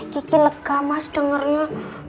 kiki lega mas dengernya